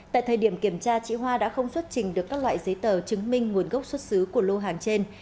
tại thời điểm kiểm tra chị hoa đã không xuất trình được các loại giấy tờ chứng minh nguồn gốc xuất xứ của lô hàng trên